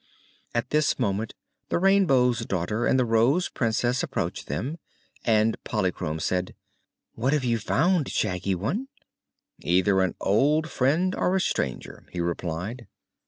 At this moment the Rainbow's Daughter and the Rose Princess approached them, and Polychrome said: "What have you found, Shaggy One?" "Either an old friend, or a stranger," he replied.